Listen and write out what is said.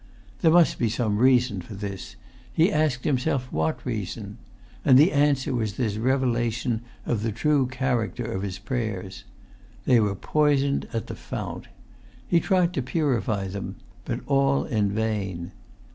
There must be some reason for this; he asked himself what reason; and the answer was this revelation of the true character of his prayers. They were poisoned at the fount. He tried to purify them, but all in vain.